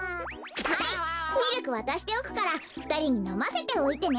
はいミルクわたしておくからふたりにのませておいてね。